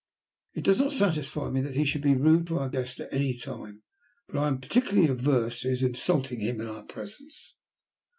"It does not satisfy me that he should be rude to our guest at any time, but I am particularly averse to his insulting him in our presence."